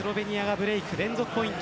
ブレーク連続ポイント